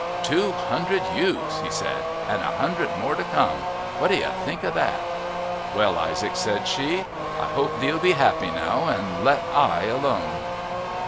"Two hunderd ewes," he said, "and a hunderd more to come what d'you think of that?" "Well, Isaac," said she, "I hope thee'll be happy now and let I alone."